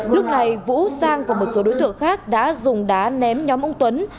lúc này vũ sang cùng một số đối tượng khác đã dùng đá ném nhóm ông tuấn